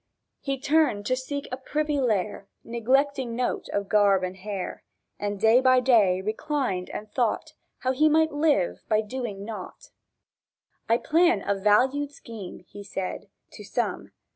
He turned to seek a privy lair, Neglecting note of garb and hair, And day by day reclined and thought How he might live by doing nought. "I plan a valued scheme," he said To some.